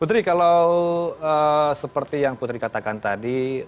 putri kalau seperti yang putri katakan tadi